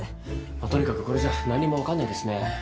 まあとにかくこれじゃ何もわかんないですね。